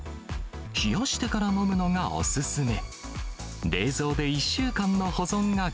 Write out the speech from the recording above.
冷やしてから飲むのがお勧め。